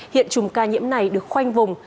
hiện trùng ca nhiễm này được khoanh vùng